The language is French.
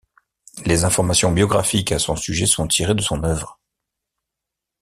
Les informations biographiques à son sujet sont tirées de son œuvre.